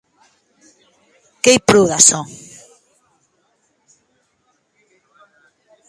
Qu’ei pro d’açò.